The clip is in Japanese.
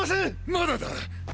まだだ！！